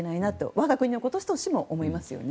我が国のこととしても思いますよね。